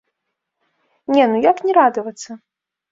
Не, ну як не радавацца?!